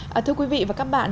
xin chào quý vị và các bạn